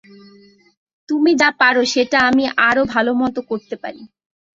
তুমি যা পার, সেটা আমি আরও ভালো মতো করতে পারি।